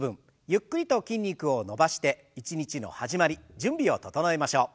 ゆっくりと筋肉を伸ばして一日の始まり準備を整えましょう。